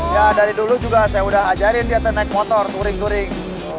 ya dari dulu juga saya udah ajarin dia naik motor turing turing